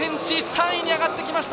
３位に上がってきました